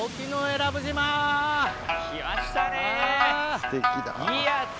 来ましたね。